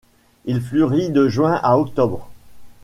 Il fleurit de juin à octobre.